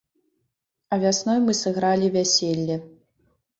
А вясной мы сыгралі вяселле.